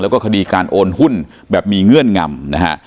แล้วก็คดีการโอนหุ้นแบบมีเงื่อนงำนะฮะ